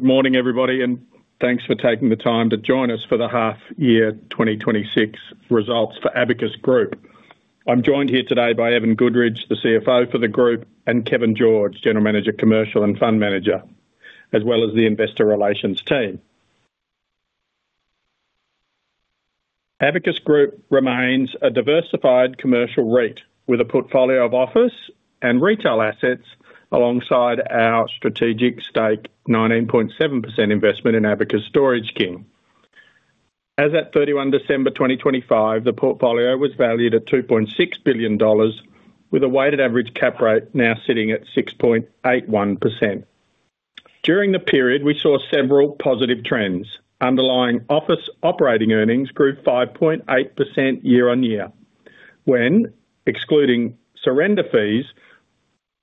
Good morning, everybody. Thanks for taking the time to join us for the half year 2026 results for Abacus Group. I'm joined here today by Evan Goodridge, the CFO for the group, and Kevin George, General Manager, Commercial and Fund Manager, as well as the Investor Relations team. Abacus Group remains a diversified commercial REIT, with a portfolio of office and retail assets, alongside our strategic stake, 19.7% investment in Abacus Storage King. As at 31 December 2025, the portfolio was valued at 2.6 billion dollars, with a weighted average cap rate now sitting at 6.81%. During the period, we saw several positive trends. Underlying office operating earnings grew 5.8% year-on-year. When excluding surrender fees,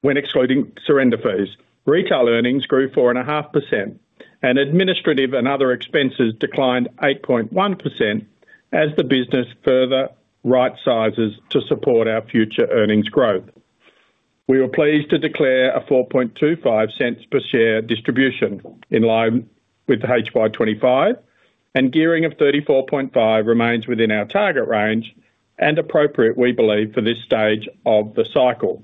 when excluding surrender fees, retail earnings grew 4.5%, and administrative and other expenses declined 8.1% as the business further right sizes to support our future earnings growth. We were pleased to declare a 0.0425 per share distribution in line with HY 2025, and gearing of 34.5% remains within our target range and appropriate, we believe, for this stage of the cycle.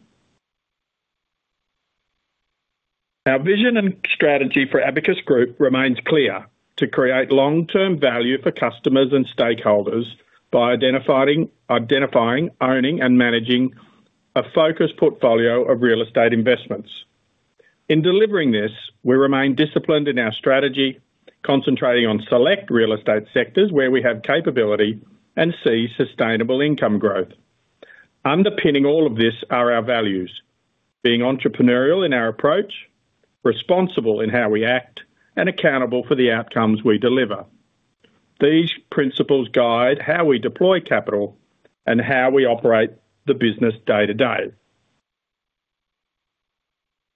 Our vision and strategy for Abacus Group remains clear: to create long-term value for customers and stakeholders by identifying, identifying, owning, and managing a focused portfolio of real estate investments. In delivering this, we remain disciplined in our strategy, concentrating on select real estate sectors where we have capability and see sustainable income growth. Underpinning all of this are our values: being entrepreneurial in our approach, responsible in how we act, and accountable for the outcomes we deliver. These principles guide how we deploy capital and how we operate the business day-to-day.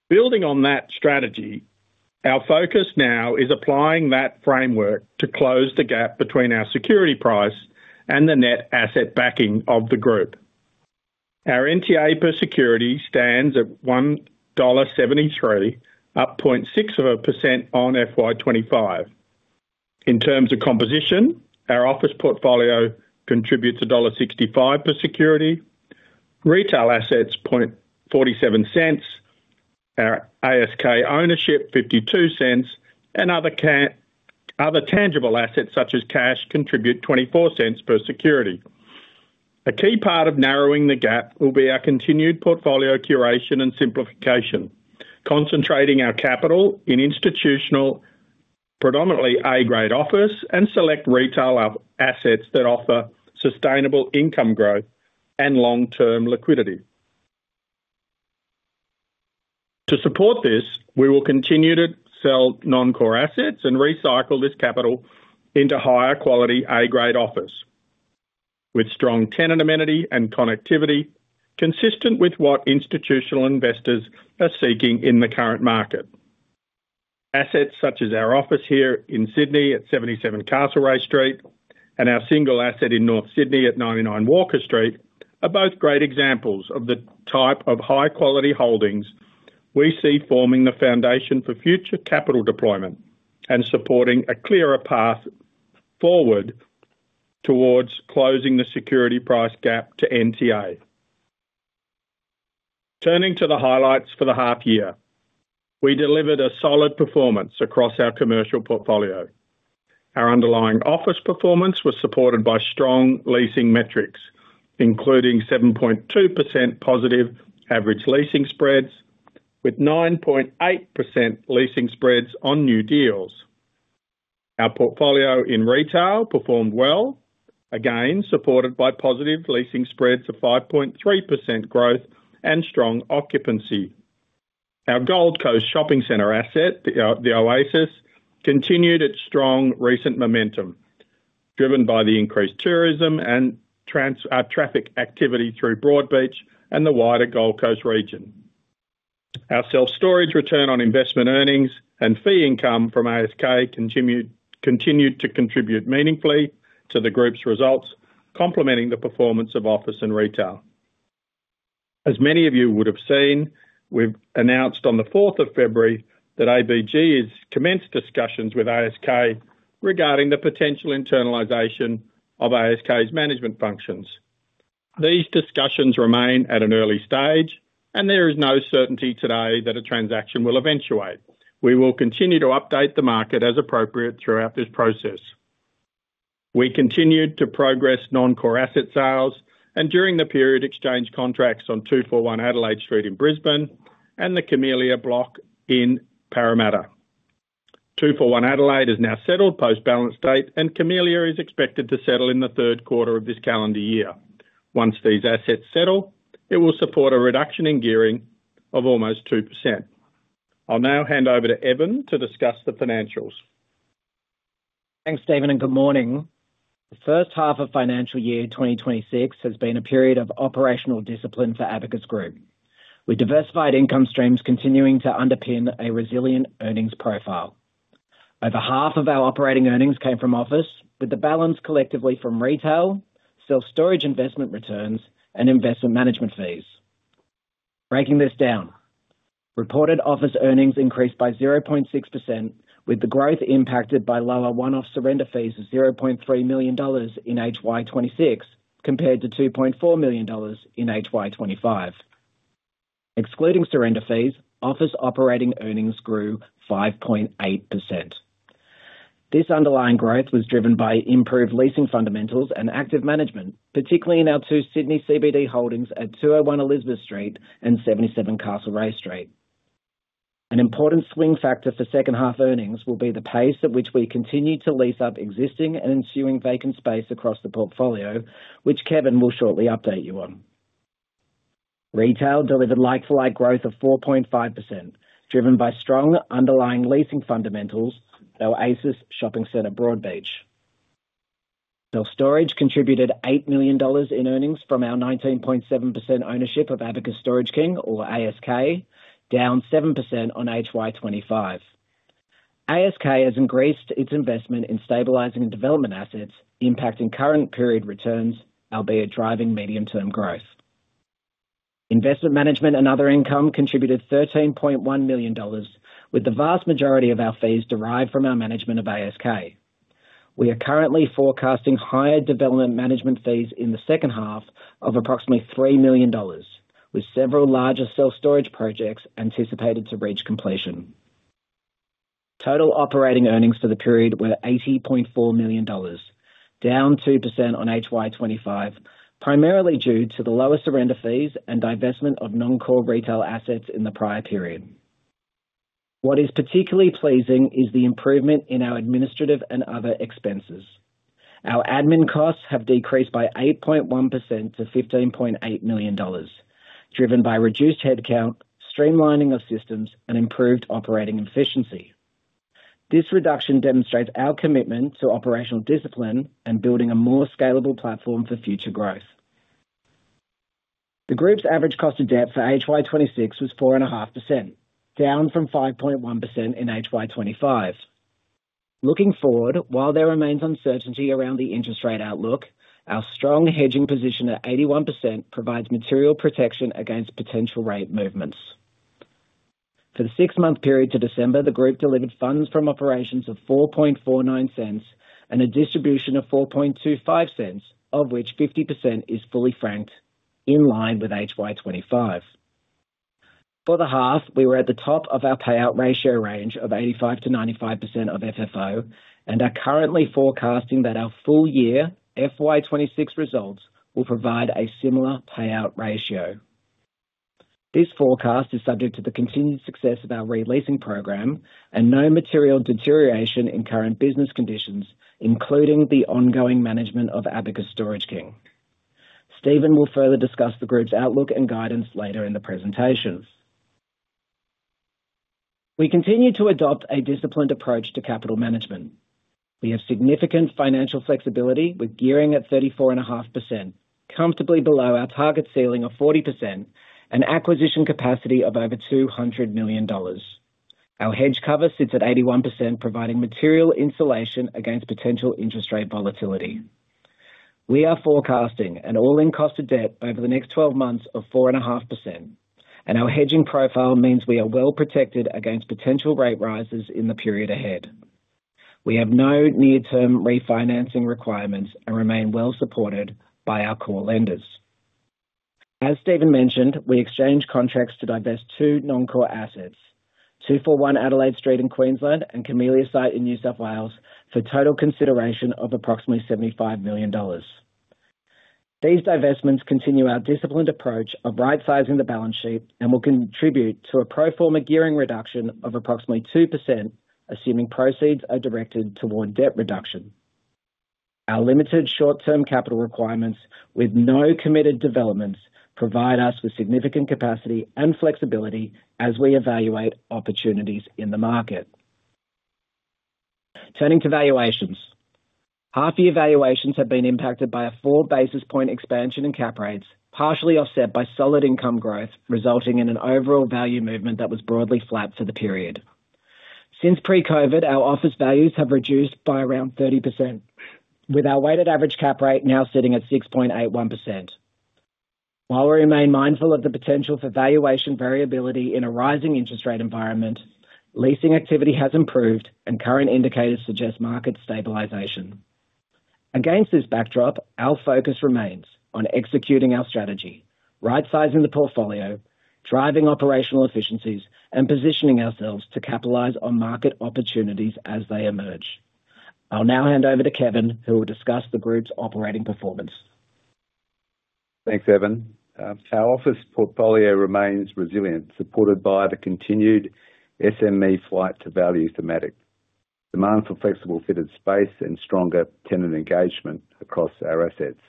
Building on that strategy, our focus now is applying that framework to close the gap between our security price and the net asset backing of the group. Our NTA per security stands at 1.73 dollar, up 0.6% on FY 2025. In terms of composition, our office portfolio contributes dollar 1.65 per security, retail assets 0.47, our ASK ownership 0.52, and other tangible assets, such as cash, contribute 0.24 per security. A key part of narrowing the gap will be our continued portfolio curation and simplification, concentrating our capital in institutional, predominantly A-grade office and select retail assets that offer sustainable income growth and long-term liquidity. To support this, we will continue to sell non-core assets and recycle this capital into higher quality A-grade office, with strong tenant amenity and connectivity, consistent with what institutional investors are seeking in the current market. Assets such as our office here in Sydney at 77 Castlereagh Street and our single asset in North Sydney at 99 Walker Street, are both great examples of the type of high-quality holdings we see forming the foundation for future capital deployment and supporting a clearer path forward towards closing the security price gap to NTA. Turning to the highlights for the half year. We delivered a solid performance across our commercial portfolio. Our underlying office performance was supported by strong leasing metrics, including 7.2% positive average leasing spreads, with 9.8% leasing spreads on new deals. Our portfolio in retail performed well, again, supported by positive leasing spreads of 5.3% growth and strong occupancy. Our Gold Coast Shopping Centre asset, the Oasis, continued its strong recent momentum, driven by the increased tourism and traffic activity through Broadbeach and the wider Gold Coast region. Our self-storage return on investment earnings and fee income from ASK continued to contribute meaningfully to the group's results, complementing the performance of office and retail. As many of you would have seen, we've announced on the fourth of February that ABG has commenced discussions with ASK regarding the potential internalization of ASK's management functions. These discussions remain at an early stage, and there is no certainty today that a transaction will eventuate. We will continue to update the market as appropriate throughout this process. We continued to progress non-core asset sales, and during the period, exchange contracts on 241 Adelaide Street in Brisbane and the Camellia Block in Parramatta. 241 Adelaide is now settled post-balance date, and Camellia is expected to settle in the third quarter of this calendar year. Once these assets settle, it will support a reduction in gearing of almost 2%. I'll now hand over to Evan to discuss the financials. Thanks, Steven. Good morning. The first half of financial year 2026 has been a period of operational discipline for Abacus Group, with diversified income streams continuing to underpin a resilient earnings profile. Over half of our operating earnings came from office, with the balance collectively from retail, self-storage investment returns, and investment management fees.... Breaking this down. Reported office earnings increased by 0.6%, with the growth impacted by lower one-off surrender fees of 0.3 million dollars in HY 2026, compared to 2.4 million dollars in HY 2025. Excluding surrender fees, office operating earnings grew 5.8%. This underlying growth was driven by improved leasing fundamentals and active management, particularly in our two Sydney CBD holdings at 201 Elizabeth Street and 77 Castlereagh Street. An important swing factor for second half earnings will be the pace at which we continue to lease up existing and ensuing vacant space across the portfolio, which Kevin will shortly update you on. Retail delivered like-for-like growth of 4.5%, driven by strong underlying leasing fundamentals, our Oasis Shopping Centre Broadbeach. Self-storage contributed 8 million dollars in earnings from our 19.7% ownership of Abacus Storage King, or ASK, down 7% on HY 2025. ASK has increased its investment in stabilizing and development assets, impacting current period returns, albeit driving medium-term growth. Investment management and other income contributed 13.1 million dollars, with the vast majority of our fees derived from our management of ASK. We are currently forecasting higher development management fees in the second half of approximately 3 million dollars, with several larger self-storage projects anticipated to reach completion. Total operating earnings for the period were 80.4 million dollars, down 2% on HY 2025, primarily due to the lower surrender fees and divestment of non-core retail assets in the prior period. What is particularly pleasing is the improvement in our administrative and other expenses. Our admin costs have decreased by 8.1% to 15.8 million dollars, driven by reduced headcount, streamlining of systems and improved operating efficiency. This reduction demonstrates our commitment to operational discipline and building a more scalable platform for future growth. The group's average cost of debt for HY 2026 was 4.5%, down from 5.1% in HY 2025. Looking forward, while there remains uncertainty around the interest rate outlook, our strong hedging position at 81% provides material protection against potential rate movements. For the six-month period to December, the group delivered funds from operations of 0.0449 and a distribution of 0.0425, of which 50% is fully franked, in line with HY 2025. For the half, we were at the top of our payout ratio range of 85%-95% of FFO and are currently forecasting that our full-year FY 2026 results will provide a similar payout ratio. This forecast is subject to the continued success of our re-leasing program and no material deterioration in current business conditions, including the ongoing management of Abacus Storage King. Steven will further discuss the group's outlook and guidance later in the presentation. We continue to adopt a disciplined approach to capital management. We have significant financial flexibility with gearing at 34.5%, comfortably below our target ceiling of 40%, and acquisition capacity of over 200 million dollars. Our hedge cover sits at 81%, providing material insulation against potential interest rate volatility. We are forecasting an all-in cost of debt over the next 12 months of 4.5%, and our hedging profile means we are well protected against potential rate rises in the period ahead. We have no near-term refinancing requirements and remain well supported by our core lenders. As Steven mentioned, we exchanged contracts to divest two non-core assets, 241 Adelaide Street in Queensland and Camellia Site in New South Wales, for total consideration of approximately 75 million dollars. These divestments continue our disciplined approach of rightsizing the balance sheet and will contribute to a pro forma gearing reduction of approximately 2%, assuming proceeds are directed toward debt reduction. Our limited short-term capital requirements, with no committed developments, provide us with significant capacity and flexibility as we evaluate opportunities in the market. Turning to valuations. Half-year valuations have been impacted by a 4 basis point expansion in cap rates, partially offset by solid income growth, resulting in an overall value movement that was broadly flat for the period. Since pre-COVID, our office values have reduced by around 30%, with our weighted average cap rate now sitting at 6.81%. While we remain mindful of the potential for valuation variability in a rising interest rate environment, leasing activity has improved and current indicators suggest market stabilization. Against this backdrop, our focus remains on executing our strategy, rightsizing the portfolio, driving operational efficiencies, and positioning ourselves to capitalize on market opportunities as they emerge. I'll now hand over to Kevin, who will discuss the group's operating performance. Thanks, Evan. Our office portfolio remains resilient, supported by the continued SME flight to value thematic, demand for flexible fitted space and stronger tenant engagement across our assets.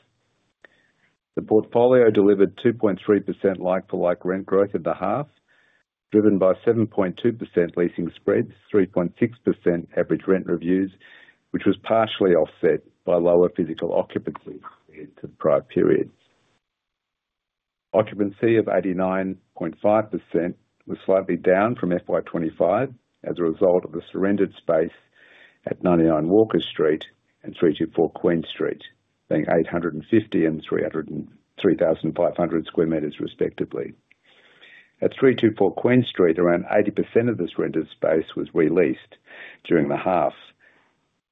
The portfolio delivered 2.3% like-for-like rent growth at the half, driven by 7.2% leasing spreads, 3.6% average rent reviews, which was partially offset by lower physical occupancy compared to the prior period. Occupancy of 89.5% was slightly down from FY 2025 as a result of the surrendered space at 99 Walker Street and 324 Queen Street, being 850 sqm and 3,500 sqm respectively. At 324 Queen Street, around 80% of this rented space was re-leased during the half.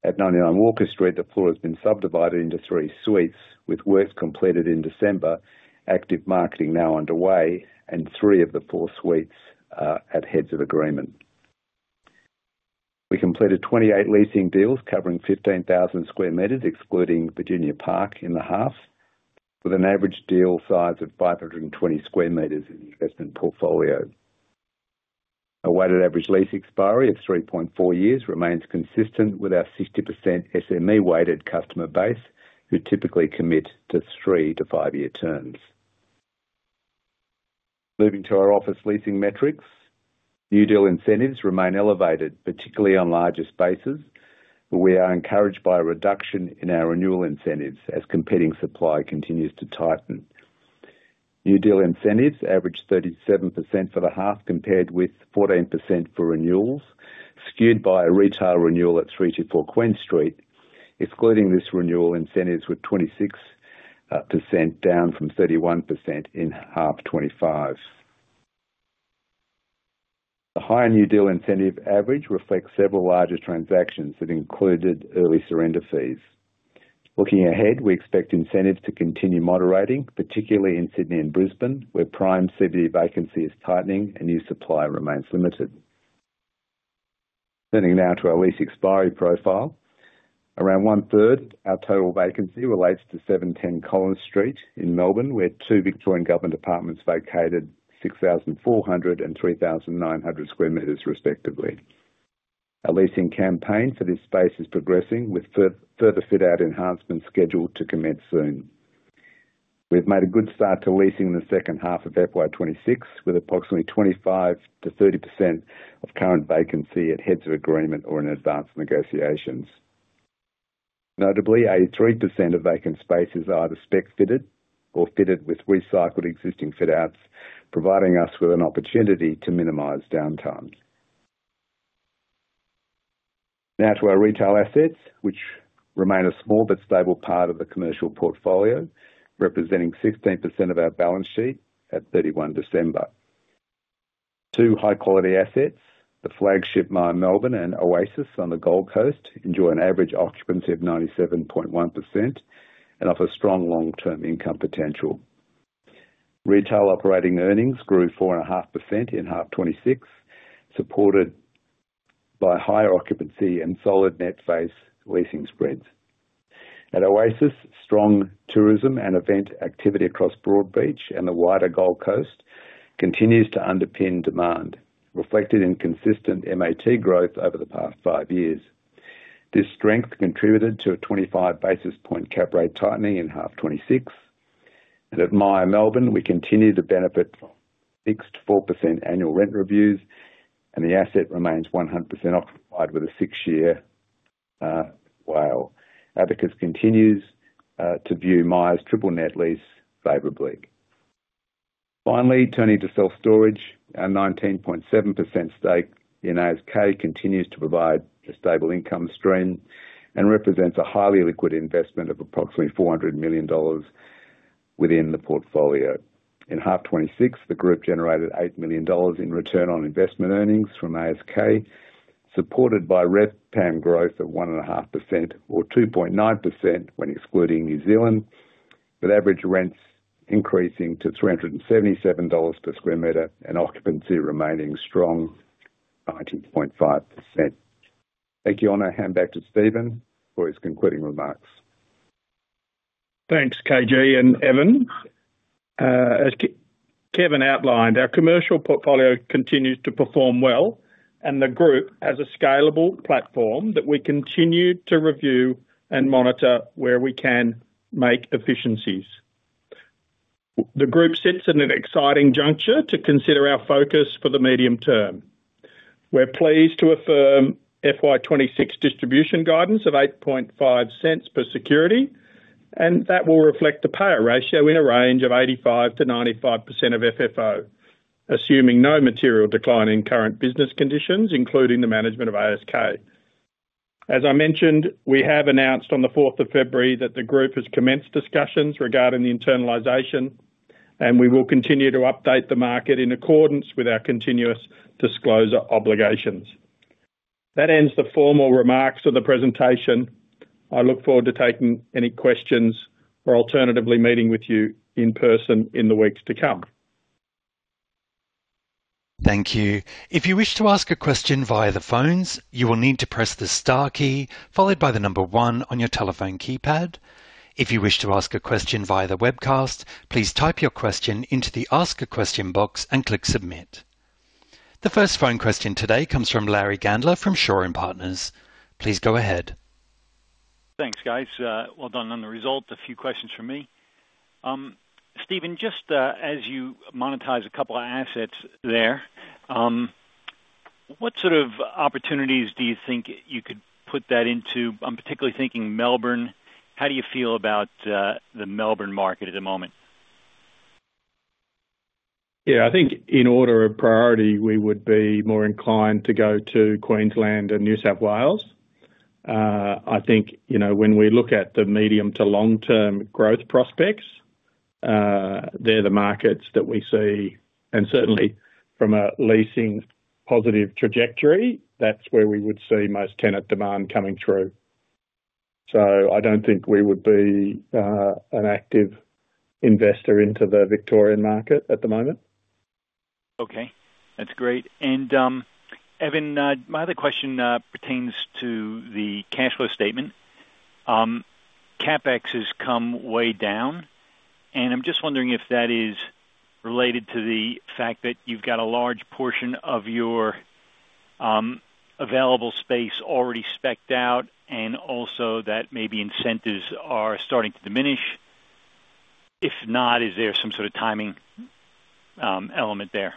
At 99 Walker Street, the floor has been subdivided into three suites, with work completed in December, active marketing now underway, and three of the four suites at heads of agreement. We completed 28 leasing deals covering 15,000 sqm, excluding Virginia Park in the half, with an average deal size of 520 square meters in the investment portfolio. A weighted average lease expiry of 3.4 years remains consistent with our 60% SME weighted customer base, who typically commit to three to five year terms. Moving to our office leasing metrics. New deal incentives remain elevated, particularly on larger spaces, but we are encouraged by a reduction in our renewal incentives as competing supply continues to tighten. New deal incentives averaged 37% for the half, compared with 14% for renewals, skewed by a retail renewal at 324 Queen Street. Excluding this renewal, incentives were 26%, down from 31% in half 2025. The higher new deal incentive average reflects several larger transactions that included early surrender fees. Looking ahead, we expect incentives to continue moderating, particularly in Sydney and Brisbane, where prime CBD vacancy is tightening and new supply remains limited. Turning now to our lease expiry profile. Around one-third, our total vacancy relates to 710 Collins Street in Melbourne, where two Victorian Government departments vacated 6,400 sqm and 3,900 sqm respectively. Our leasing campaign for this space is progressing, with further fit-out enhancements scheduled to commence soon. We've made a good start to leasing in the second half of FY 2026, with approximately 25%-30% of current vacancy at heads of agreement or in advanced negotiations. Notably, 83% of vacant spaces are either spec fitted or fitted with recycled existing fit outs, providing us with an opportunity to minimize downtime. Now to our retail assets, which remain a small but stable part of the commercial portfolio, representing 16% of our balance sheet at 31 December. Two high quality assets, the flagship Myer Melbourne and Oasis on the Gold Coast, enjoy an average occupancy of 97.1% and offer strong long-term income potential. Retail operating earnings grew 4.5% in half 2026, supported by higher occupancy and solid net face leasing spreads. At Oasis, strong tourism and event activity across Broadbeach and the wider Gold Coast continues to underpin demand, reflected in consistent MAT growth over the past five years. This strength contributed to a 25 basis point cap rate tightening in half 2026. At Myer Melbourne, we continue to benefit from fixed 4% annual rent reviews, and the asset remains 100% occupied with a six-year WALE. Abacus continues to view Myer's triple net lease favorably. Finally, turning to self-storage. Our 19.7% stake in ASK continues to provide a stable income stream and represents a highly liquid investment of approximately 400 million dollars within the portfolio. In half 2026, the group generated 8 million dollars in ROI earnings from ASK, supported by RevPAM growth of 1.5% or 2.9% when excluding New Zealand, with average rents increasing to 377 dollars per square meter and occupancy remaining strong, 19.5%. Thank you. I'm going to hand back to Steven for his concluding remarks. Thanks, KG and Evan. As Kevin outlined, our commercial portfolio continues to perform well. The group has a scalable platform that we continue to review and monitor where we can make efficiencies. The group sits in an exciting juncture to consider our focus for the medium term. We're pleased to affirm FY 2026 distribution guidance of 0.085 per security. That will reflect a payout ratio in a range of 85%-95% of FFO, assuming no material decline in current business conditions, including the management of ASK. As I mentioned, we have announced on the 4th of February that the group has commenced discussions regarding the internalization. We will continue to update the market in accordance with our continuous disclosure obligations. That ends the formal remarks of the presentation.I look forward to taking any questions or alternatively, meeting with you in person in the weeks to come. Thank you. If you wish to ask a question via the phones, you will need to press the star key followed by the number one on your telephone keypad. If you wish to ask a question via the webcast, please type your question into the Ask a Question box and click Submit. The first phone question today comes from Larry Gandler from Shaw and Partners. Please go ahead. Thanks, guys. Well done on the result. A few questions from me. Stephen, just as you monetize a couple of assets there, what sort of opportunities do you think you could put that into? I'm particularly thinking Melbourne. How do you feel about the Melbourne market at the moment? Yeah, I think in order of priority, we would be more inclined to go to Queensland and New South Wales. I think, you know, when we look at the medium to long-term growth prospects, they're the markets that we see, and certainly from a leasing positive trajectory, that's where we would see most tenant demand coming through. I don't think we would be an active investor into the Victorian market at the moment. Okay, that's great. Evan, my other question pertains to the cash flow statement. CapEx has come way down, and I'm just wondering if that is related to the fact that you've got a large portion of your available space already spec'd out, and also that maybe incentives are starting to diminish. If not, is there some sort of timing element there?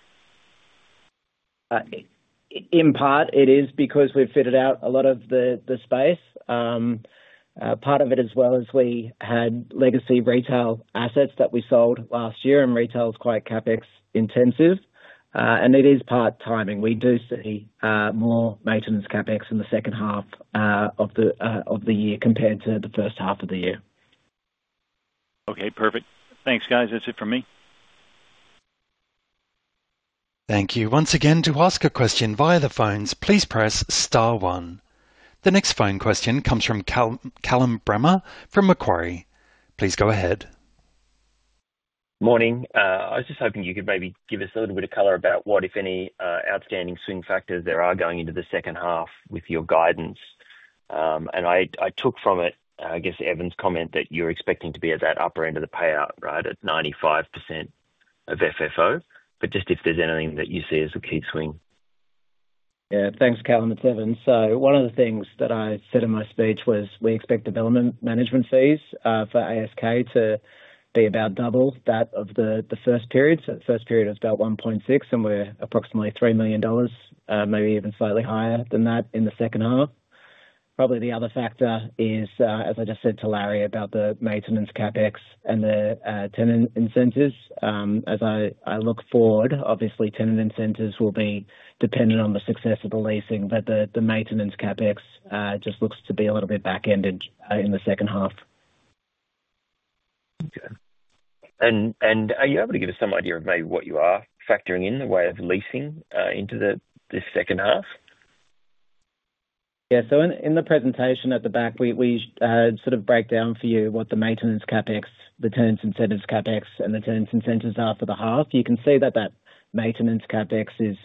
In part, it is because we've fitted out a lot of the, the space. Part of it as well is we had legacy retail assets that we sold last year, and retail is quite CapEx intensive, and it is part timing. We do see more maintenance CapEx in the second half of the year compared to the first half of the year. Okay, perfect. Thanks, guys. That's it for me. Thank you. Once again, to ask a question via the phones, please press star one. The next phone question comes from Callum Bramah from Macquarie. Please go ahead. Morning. I was just hoping you could maybe give us a little bit of color about what, if any, outstanding swing factors there are going into the second half with your guidance. I, I took from it, I guess, Evan's comment that you're expecting to be at that upper end of the payout, right, at 95% of FFO? Just if there's anything that you see as a key swing? Yeah. Thanks, Callum, it's Evan. One of the things that I said in my speech was, we expect development management fees for ASK to be about double that of the first period. The first period was about 1.6 million, and we're approximately 3 million dollars, maybe even slightly higher than that in the second half. Probably the other factor is, as I just said to Larry, about the maintenance CapEx and the tenant incentives. As I look forward, obviously, tenant incentives will be dependent on the success of the leasing, but the maintenance CapEx just looks to be a little bit back-ended in the second half. Okay. Are you able to give us some idea of maybe what you are factoring in the way of leasing, into the second half? Yeah. In, in the presentation at the back, we, we sort of break down for you what the maintenance CapEx, the tenant incentives CapEx, and the tenant incentives are for the half. You can see that that maintenance CapEx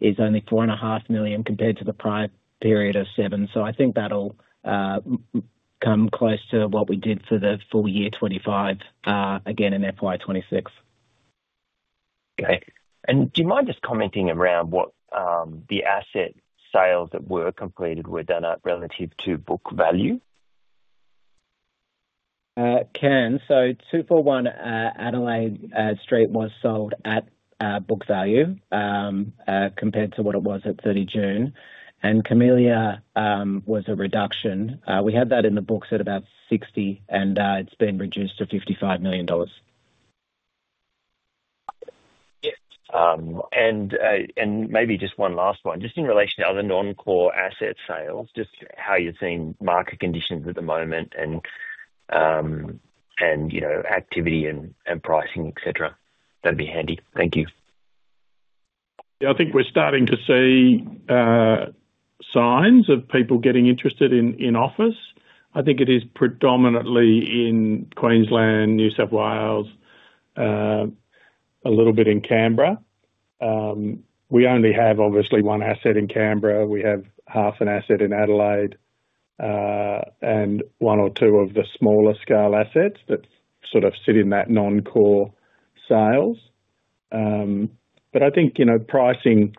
is only 4.5 million compared to the prior period of 7 million. I think that'll come close to what we did for the full-year 2025 again in FY 2026. Okay. Do you mind just commenting around what the asset sales that were completed were done at relative to book value? Can. 241 Adelaide Street was sold at book value compared to what it was at 30 June. Camellia was a reduction. We had that in the books at about 60, and it's been reduced to 55 million dollars. Yeah. Maybe just one last one, just in relation to other non-core asset sales, just how you're seeing market conditions at the moment and, and, you know, activity and, and pricing, et cetera. That'd be handy. Thank you. Yeah, I think we're starting to see signs of people getting interested in, in office. I think it is predominantly in Queensland, New South Wales, a little bit in Canberra. We only have obviously one asset in Canberra. We have half an asset in Adelaide, and one or two of the smaller scale assets that sort of sit in that non-core sales. But I think, you know, pricing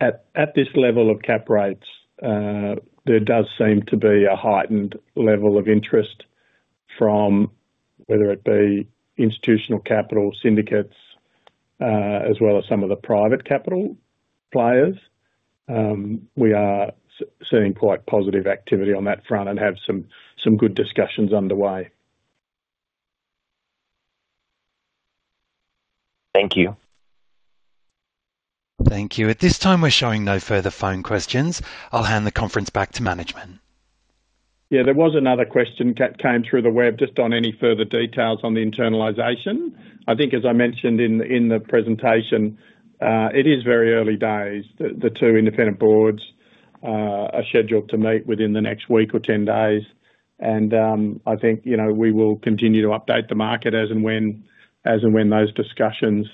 at this level of cap rates, there does seem to be a heightened level of interest from whether it be institutional capital syndicates, as well as some of the private capital players. We are seeing quite positive activity on that front and have some, some good discussions underway. Thank you. Thank you. At this time, we're showing no further phone questions. I'll hand the conference back to management. Yeah, there was another question that came through the web, just on any further details on the internalization. I think as I mentioned in, in the presentation, it is very early days. The, the two independent boards, are scheduled to meet within the next week or 10 days. I think, you know, we will continue to update the market as and when, as and when those discussions,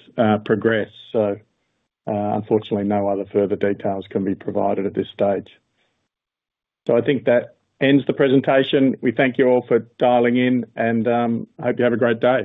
progress. Unfortunately, no other further details can be provided at this stage. I think that ends the presentation. We thank you all for dialing in, and, hope you have a great day.